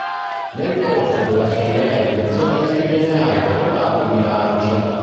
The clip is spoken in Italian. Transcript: Nel corso dell’Assemblea degli azionisti viene anche approvato il bilancio.